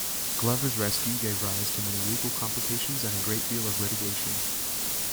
Glover's rescue gave rise to many legal complications and a great deal of litigation.